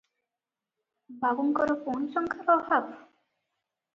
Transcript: ବାବୁଙ୍କର ପୁଣି ଟଙ୍କାର ଅଭାବ?